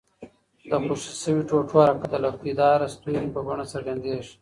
د خوشي شوي ټوټو حرکت د لکۍ داره ستوري په بڼه څرګندیږي.